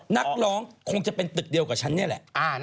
นักร้องคงจะเป็นตึกเดียวกับฉันนี่แหละ